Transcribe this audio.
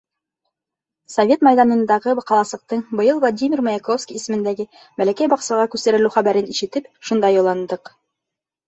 Совет майҙанындағы ҡаласыҡтың быйыл Владимир Маяковский исемендәге бәләкәй баҡсаға күсерелеү хәбәрен ишетеп, шунда юлландыҡ.